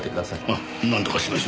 ああなんとかしましょう。